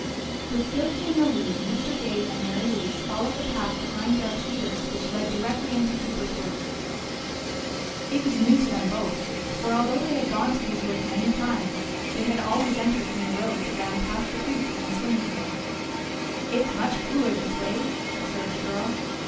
_ With Silky in the lead, Mr. Gay and Mary Louise followed the path behind Dark Cedars which led directly into Cooper's woods. It was new to them both, for although they had gone to these woods many times, they had always entered from the road that ran past the creek and the swimming hole. "It's much cooler this way," observed the girl.